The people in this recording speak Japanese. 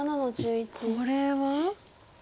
これは？